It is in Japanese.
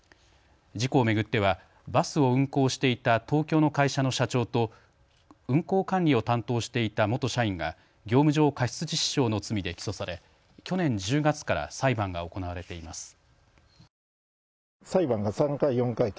事故を巡ってはバスを運行していた東京の会社の社長と運行管理を担当していた元社員が業務上過失致死傷の罪で起訴され去年１０月から裁判が行われています。